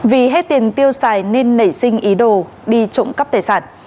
vì hết tiền tiêu xài nên nảy sinh ý đồ đi trụng cấp tài sản